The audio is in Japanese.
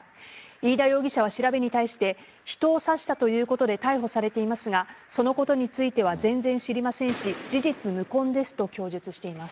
飯田容疑者は調べに対して人を刺したということで逮捕されていますがそのことについては全然知りませんし事実無根ですと供述しています。